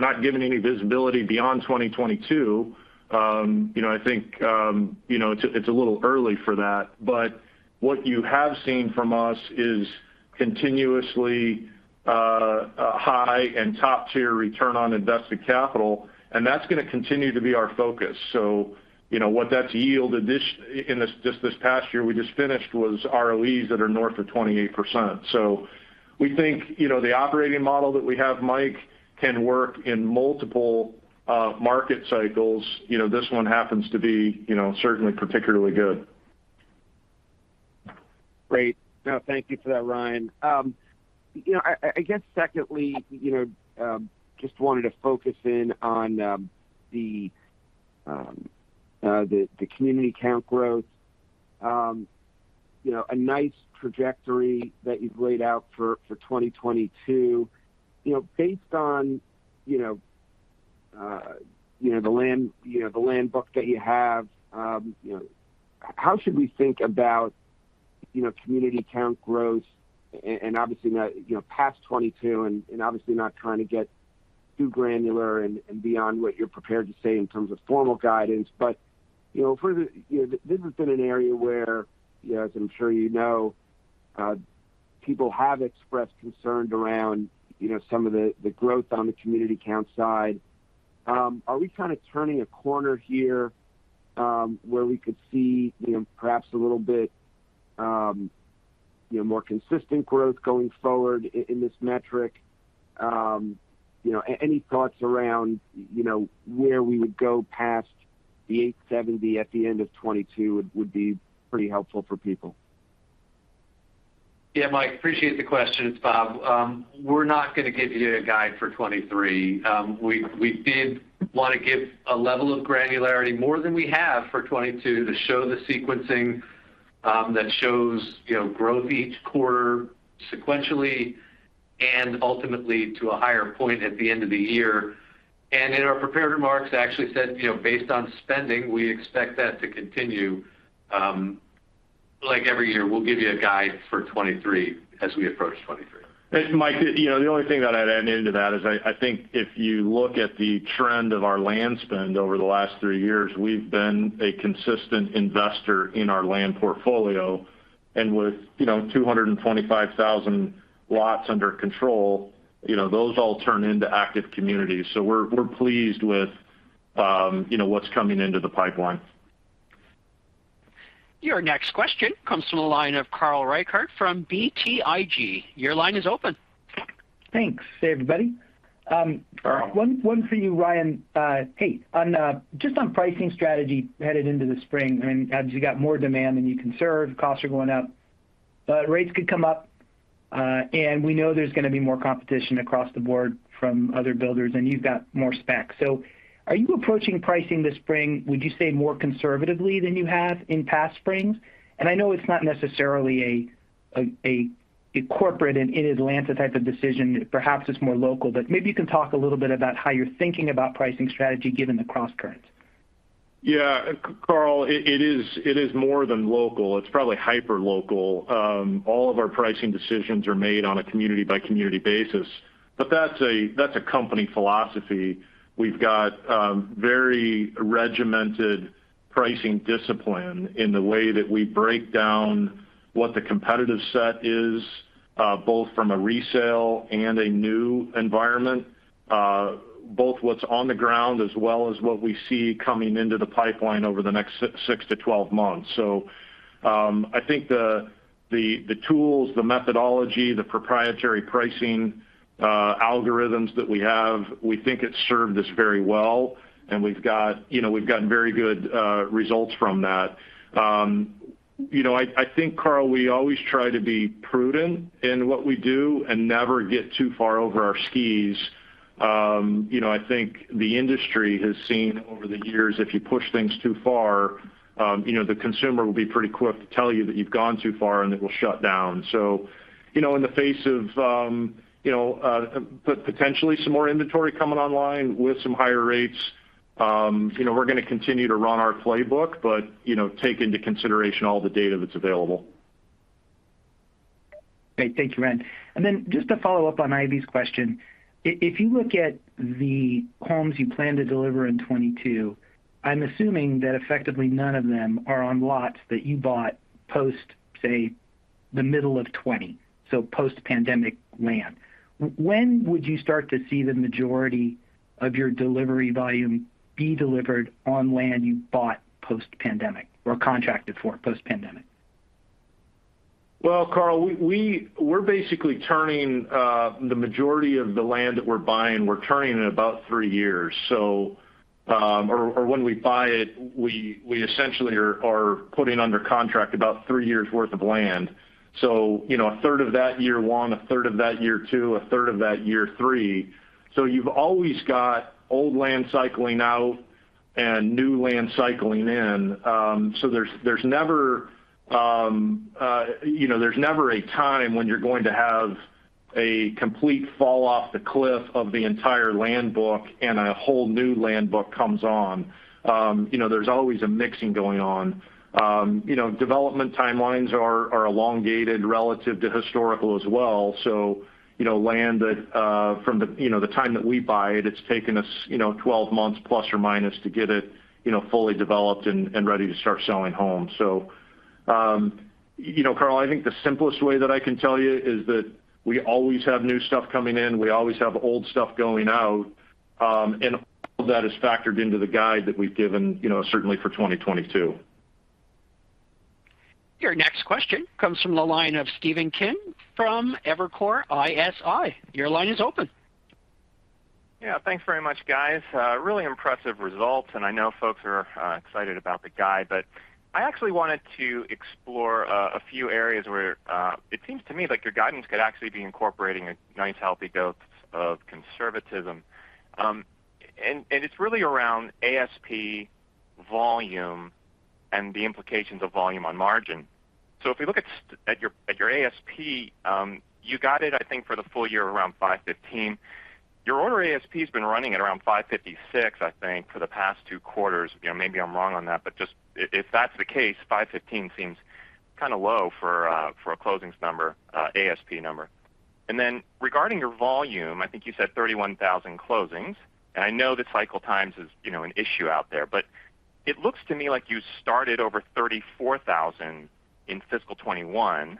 not giving any visibility beyond 2022. You know, I think, you know, it's a little early for that. What you have seen from us is continuously a high and top-tier return on invested capital, and that's gonna continue to be our focus. You know, what that's yielded in this past year we just finished was ROEs that are north of 28%. We think, you know, the operating model that we have, Mike, can work in multiple market cycles. You know, this one happens to be, you know, certainly particularly good. Great. No, thank you for that, Ryan. You know, I guess secondly, you know, just wanted to focus in on the community count growth. You know, a nice trajectory that you've laid out for 2022. You know, based on, you know, the land, you know, the land book that you have, you know, how should we think about, you know, community count growth and obviously not, you know, past 2022 and obviously not trying to get too granular and beyond what you're prepared to say in terms of formal guidance. You know, for the. You know, this has been an area where, you know, as I'm sure you know, people have expressed concern around, you know, some of the growth on the community count side. Are we kind of turning a corner here, where we could see, you know, perhaps a little bit, you know, more consistent growth going forward in this metric? You know, any thoughts around, you know, where we would go past the 870 at the end of 2022 would be pretty helpful for people. Yeah, Mike, appreciate the question. It's Bob. We're not gonna give you a guide for 2023. We did wanna give a level of granularity more than we have for 2022 to show the sequencing that shows, you know, growth each quarter sequentially and ultimately to a higher point at the end of the year. In our prepared remarks, I actually said, you know, based on spending, we expect that to continue, like every year. We'll give you a guide for 2023 as we approach 2023. Mike, you know, the only thing that I'd add into that is I think if you look at the trend of our land spend over the last three years, we've been a consistent investor in our land portfolio. With, you know, 225,000 lots under control, you know, those all turn into active communities. We're pleased with, you know, what's coming into the pipeline. Your next question comes from the line of Carl Reichardt from BTIG. Your line is open. Thanks. Hey, everybody. Carl. One for you, Ryan. Hey, on just on pricing strategy headed into the spring, I mean, as you got more demand than you can serve, costs are going up, rates could come up, and we know there's gonna be more competition across the board from other builders, and you've got more specs. So are you approaching pricing this spring, would you say, more conservatively than you have in past springs? I know it's not necessarily a corporate and in Atlanta type of decision, perhaps it's more local, but maybe you can talk a little bit about how you're thinking about pricing strategy given the crosscurrent. Yeah, Carl, it is more than local. It's probably hyperlocal. All of our pricing decisions are made on a community by community basis. That's a company philosophy. We've got very regimented pricing discipline in the way that we break down what the competitive set is, both from a resale and a new environment, both what's on the ground as well as what we see coming into the pipeline over the next 6 to 12 months. I think the tools, the methodology, the proprietary pricing algorithms that we have, we think it's served us very well, and we've got, you know, we've gotten very good results from that. You know, I think, Carl, we always try to be prudent in what we do and never get too far over our skis. You know, I think the industry has seen over the years, if you push things too far, you know, the consumer will be pretty quick to tell you that you've gone too far and it will shut down. You know, in the face of potentially some more inventory coming online with some higher rates, you know, we're gonna continue to run our playbook, but, you know, take into consideration all the data that's available. Great. Thank you, Ryan. Just to follow up on Ivy's question. If you look at the homes you plan to deliver in 2022, I'm assuming that effectively none of them are on lots that you bought post, say, the middle of 2020, so post-pandemic land. When would you start to see the majority of your delivery volume be delivered on land you bought post-pandemic or contracted for post-pandemic? Well, Carl, we're basically turning the majority of the land that we're buying in about three years. Or when we buy it, we essentially are putting under contract about three years worth of land. You know, a third of that year one, a third of that year two, a third of that year three. You've always got old land cycling out and new land cycling in. You know, there's never a time when you're going to have a complete fall off the cliff of the entire land book and a whole new land book comes on. You know, there's always a mixing going on. You know, development timelines are elongated relative to historical as well. You know, land that from the you know the time that we buy it's taken us you know 12 months plus or minus to get it you know fully developed and ready to start selling homes. You know, Carl, I think the simplest way that I can tell you is that we always have new stuff coming in. We always have old stuff going out. All that is factored into the guide that we've given you know certainly for 2022. Your next question comes from the line of Stephen Kim from Evercore ISI. Your line is open. Yeah. Thanks very much, guys. Really impressive results, and I know folks are excited about the guide. I actually wanted to explore a few areas where it seems to me like your guidance could actually be incorporating a nice healthy dose of conservatism. And it's really around ASP volume and the implications of volume on margin. If you look at your ASP, you got it, I think, for the full year around 515. Your order ASP has been running at around 556, I think, for the past 2 quarters. You know, maybe I'm wrong on that, but just if that's the case, 515 seems kind of low for a closings number, ASP number. Regarding your volume, I think you said 31,000 closings, and I know that cycle times is, you know, an issue out there. It looks to me like you started over 34,000 in fiscal 2021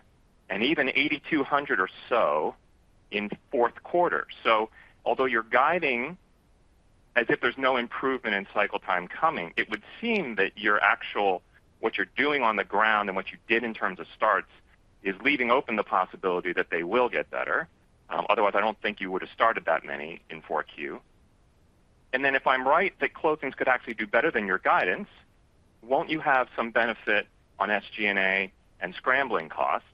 and even 8,200 or so in fourth quarter. Although you're guiding as if there's no improvement in cycle time coming, it would seem that your actual what you're doing on the ground and what you did in terms of starts is leaving open the possibility that they will get better. Otherwise, I don't think you would have started that many in 4Q. If I'm right that closings could actually do better than your guidance, won't you have some benefit on SG&A and scrambling costs?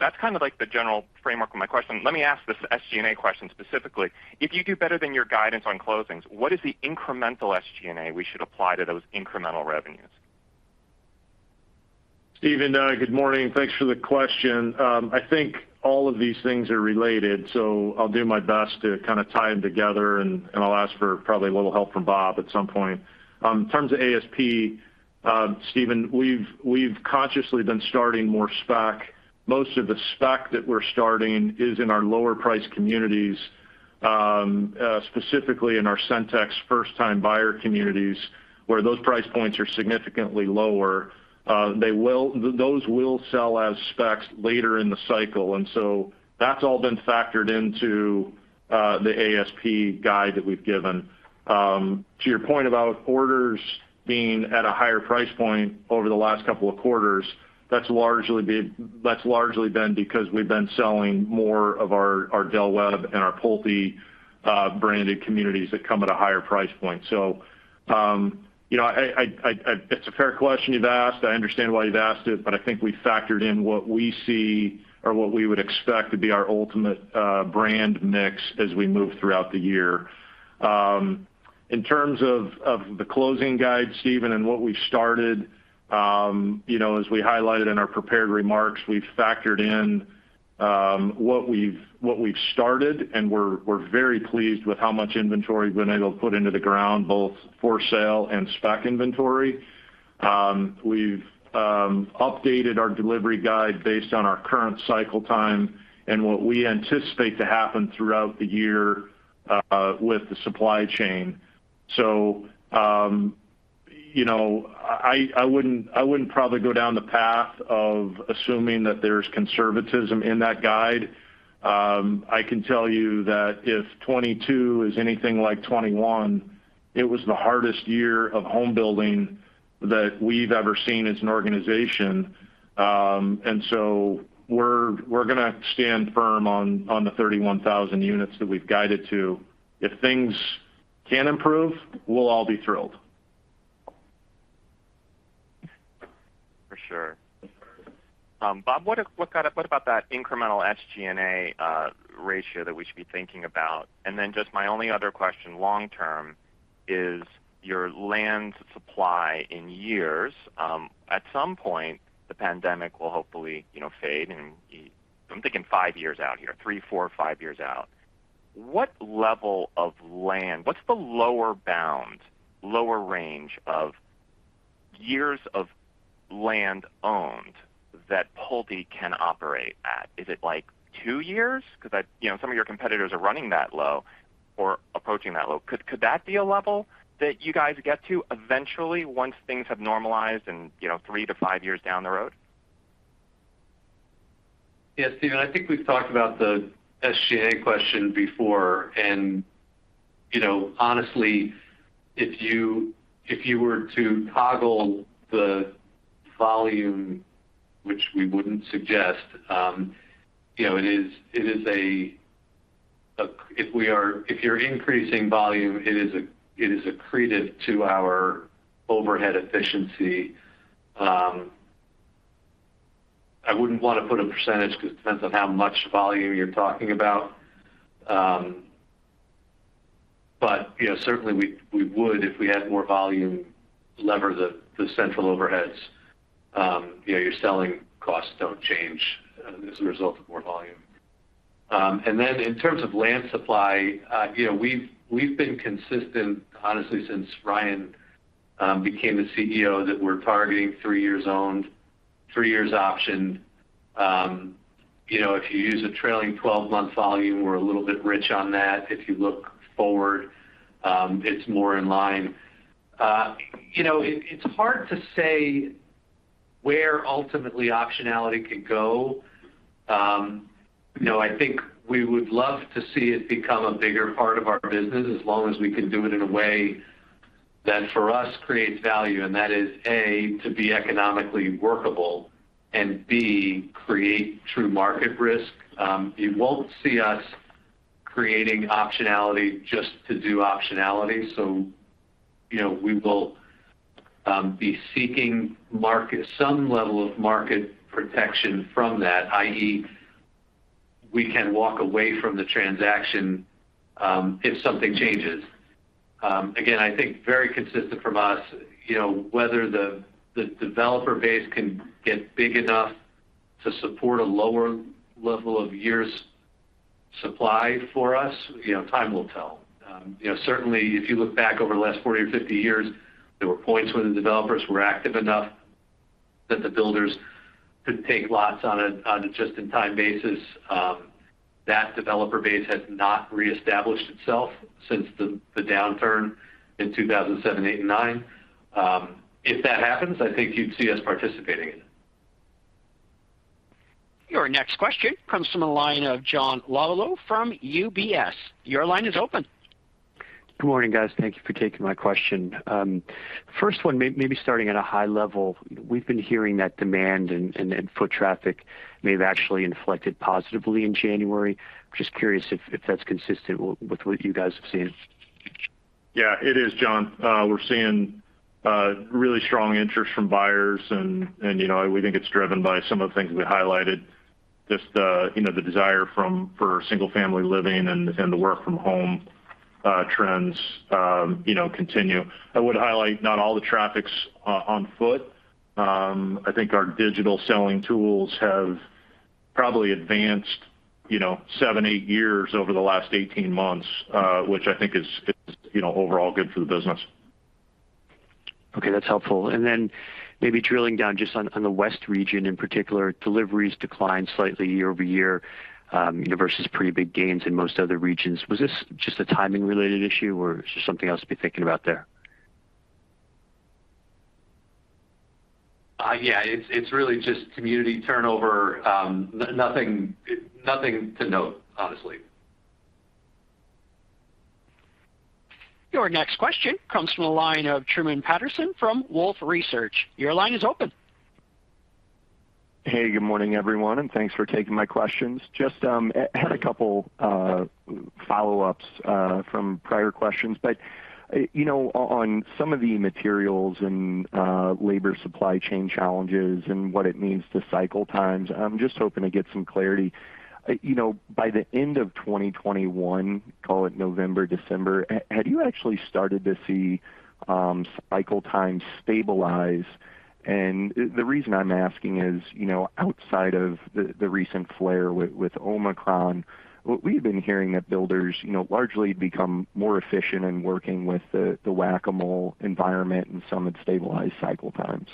That's kind of like the general framework of my question. Let me ask this SG&A question specifically. If you do better than your guidance on closings, what is the incremental SG&A we should apply to those incremental revenues? Stephen, good morning. Thanks for the question. I think all of these things are related, so I'll do my best to kind of tie them together, and I'll ask for probably a little help from Bob at some point. In terms of ASP, Stephen, we've consciously been starting more spec. Most of the spec that we're starting is in our lower priced communities, specifically in our Centex first time buyer communities, where those price points are significantly lower. Those will sell as specs later in the cycle, and so that's all been factored into the ASP guide that we've given. To your point about orders being at a higher price point over the last couple of quarters, that's largely been because we've been selling more of our Del Webb and our Pulte branded communities that come at a higher price point. You know, it's a fair question you've asked. I understand why you've asked it, but I think we factored in what we see or what we would expect to be our ultimate brand mix as we move throughout the year. In terms of the closing guide, Stephen, and what we've started, you know, as we highlighted in our prepared remarks, we've factored in what we've started, and we're very pleased with how much inventory we've been able to put into the ground, both for sale and spec inventory. We've updated our delivery guide based on our current cycle time and what we anticipate to happen throughout the year with the supply chain. You know, I wouldn't probably go down the path of assuming that there's conservatism in that guide. I can tell you that if 2022 is anything like 2021, it was the hardest year of home building that we've ever seen as an organization. We're gonna stand firm on the 31,000 units that we've guided to. If things can improve, we'll all be thrilled. For sure. Bob, what about that incremental SG&A ratio that we should be thinking about? Then just my only other question long term is your land supply in years. At some point, the pandemic will hopefully, you know, fade, and I'm thinking five years out here, three, four, five years out. What level of land? What's the lower bound, lower range of years of land owned that Pulte can operate at? Is it, like, two years? 'Cause I, you know, some of your competitors are running that low or approaching that low. Could that be a level that you guys get to eventually once things have normalized and, you know, 3-5 years down the road? Yes, Stephen, I think we've talked about the SG&A question before. You know, honestly, if you were to toggle the volume, which we wouldn't suggest, you know, it is accretive to our overhead efficiency. I wouldn't want to put a percentage because it depends on how much volume you're talking about. You know, certainly we would if we had more volume leverage the central overheads. You know, your selling costs don't change as a result of more volume. In terms of land supply, you know, we've been consistent honestly since Ryan became the CEO that we're targeting three years owned, three years option. You know, if you use a trailing twelve-month volume, we're a little bit rich on that. If you look forward, it's more in line. You know, it's hard to say where ultimately optionality could go. You know, I think we would love to see it become a bigger part of our business as long as we can do it in a way that for us creates value. And that is, A, to be economically workable, and B, create true market risk. You won't see us creating optionality just to do optionality. You know, we will be seeking some level of market protection from that, i.e. we can walk away from the transaction if something changes. Again, I think very consistent from us, you know, whether the developer base can get big enough to support a lower level of years supply for us, you know, time will tell. You know, certainly if you look back over the last 40 or 50 years, there were points where the developers were active enough that the builders could take lots on a just-in-time basis. That developer base has not reestablished itself since the downturn in 2007, 2008, and 2009. If that happens, I think you'd see us participating in it. Your next question comes from the line of John Lovallo from UBS. Your line is open. Good morning, guys. Thank you for taking my question. First one maybe starting at a high level. We've been hearing that demand and foot traffic may have actually inflected positively in January. Just curious if that's consistent with what you guys have seen? Yeah, it is, John. We're seeing really strong interest from buyers and, you know, we think it's driven by some of the things we highlighted, just, you know, the desire for single-family living and the work from home trends, you know, continue. I would highlight not all the traffic's on foot. I think our digital selling tools have probably advanced, you know, seven, eight years over the last 18 months, which I think is, you know, overall good for the business. Okay, that's helpful. Maybe drilling down just on the west region in particular, deliveries declined slightly year-over-year, you know, versus pretty big gains in most other regions. Was this just a timing-related issue or is there something else to be thinking about there? Yeah, it's really just community turnover. Nothing to note, honestly. Your next question comes from the line of Truman Patterson from Wolfe Research. Your line is open. Hey, good morning, everyone, and thanks for taking my questions. Just had a couple follow-ups from prior questions. You know, on some of the materials and labor supply chain challenges and what it means to cycle times, I'm just hoping to get some clarity. You know, by the end of 2021, call it November, December, had you actually started to see cycle times stabilize? And the reason I'm asking is, you know, outside of the recent flare with Omicron, what we've been hearing that builders, you know, largely become more efficient in working with the whack-a-mole environment and some had stabilized cycle times.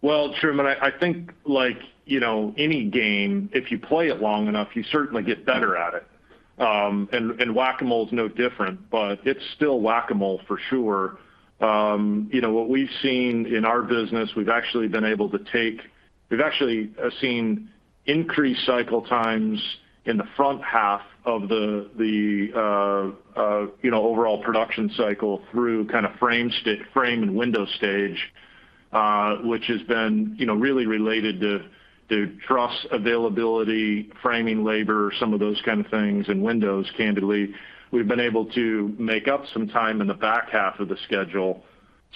Well, Truman, I think like you know any game, if you play it long enough, you certainly get better at it. Whack-a-mole is no different, but it's still whack-a-mole for sure. You know, what we've seen in our business, we've actually seen increased cycle times in the front half of the overall production cycle through kind of frame and window stage, which has been you know really related to truss availability, framing labor, some of those kind of things, and windows, candidly. We've been able to make up some time in the back half of the schedule.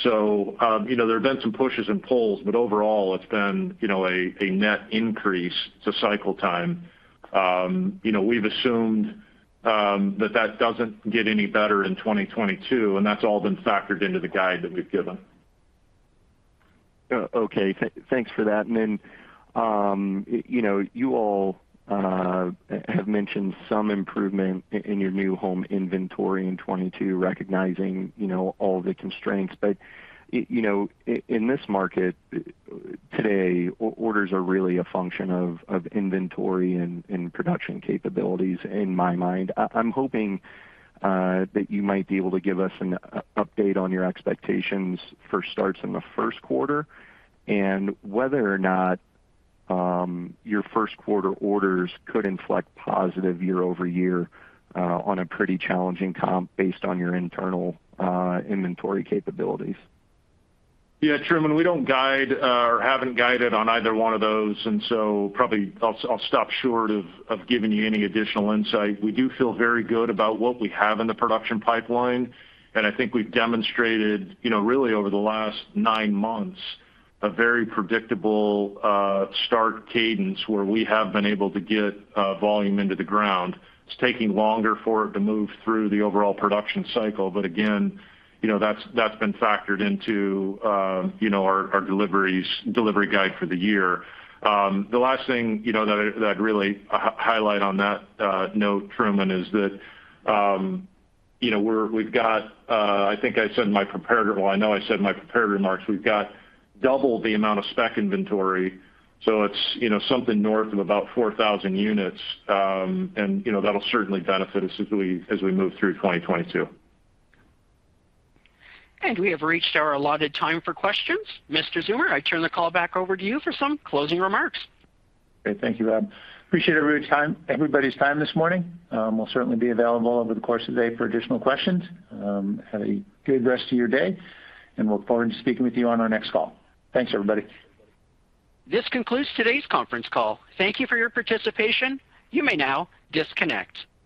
You know there have been some pushes and pulls, but overall it's been you know a net increase to cycle time. You know, we've assumed that that doesn't get any better in 2022, and that's all been factored into the guide that we've given. Okay. Thanks for that. You all have mentioned some improvement in your new home inventory in 2022, recognizing all the constraints. In this market today, orders are really a function of inventory and production capabilities in my mind. I'm hoping that you might be able to give us an update on your expectations for starts in the first quarter and whether or not your first quarter orders could inflect positive year-over-year on a pretty challenging comp based on your internal inventory capabilities. Yeah, Truman, we don't guide or haven't guided on either one of those, and so probably I'll stop short of giving you any additional insight. We do feel very good about what we have in the production pipeline, and I think we've demonstrated, you know, really over the last nine months a very predictable start cadence where we have been able to get volume into the ground. It's taking longer for it to move through the overall production cycle. Again, you know, that's been factored into, you know, our delivery guide for the year. The last thing, you know, that I'd really highlight on that note, Truman, is that, you know, we've got. I know I said in my prepared remarks, we've got double the amount of spec inventory, so it's, you know, something north of about 4,000 units. You know, that'll certainly benefit us as we move through 2022. We have reached our allotted time for questions. Mr. Zeumer, I turn the call back over to you for some closing remarks. Great. Thank you, Bob. Appreciate everybody's time this morning. We'll certainly be available over the course of the day for additional questions. Have a good rest of your day, and look forward to speaking with you on our next call. Thanks, everybody. This concludes today's conference call. Thank you for your participation. You may now disconnect.